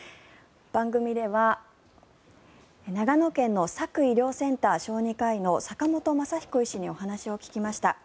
番組では、長野県の佐久医療センター小児科医の坂本昌彦医師にお話を聞きました。